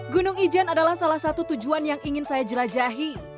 gunung ijen adalah salah satu tujuan yang ingin saya jelajahi